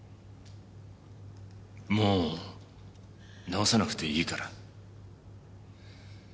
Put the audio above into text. もう治さなくていいから。